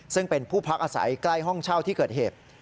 ซึ่งเป็นผู้พักอาศัยใกล้ห้องเช่าที่เกิดเหตุ